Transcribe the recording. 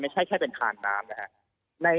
ใช่เพราะว่า